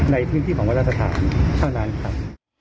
ในพื้นที่ของวรสถานเท่านั้นครับ